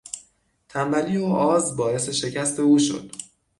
تنبلی و آز باعث شکست او شد.